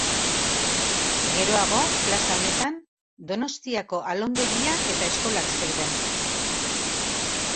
Geroago plaza honetan Donostiako alondegia eta eskolak zeuden.